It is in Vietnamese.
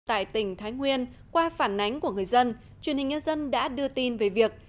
tại tỉnh thái nguyên qua phản ánh của người dân truyền hình nhân dân đã đưa tin về việc